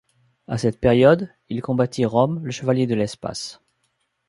À cette période, il combattit Rom, le Chevalier de l'Espace.